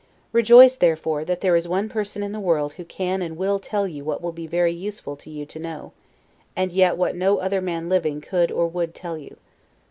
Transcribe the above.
Rejoice, therefore, that there is one person in the world who can and will tell you what will be very useful to you to know, and yet what no other man living could or would tell you.